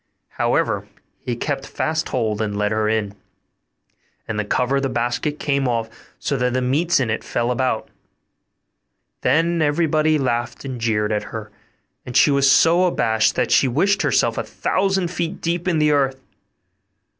However, he kept fast hold, and led her in; and the cover of the basket came off, so that the meats in it fell about. Then everybody laughed and jeered at her; and she was so abashed, that she wished herself a thousand feet deep in the earth.